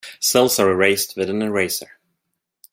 Cells are erased with an eraser.